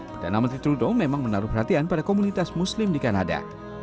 perdana menteri trudeau memang menaruh perhatian pada komunitas muslim di kanada